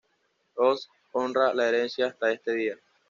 Omsk honra la herencia hasta este día.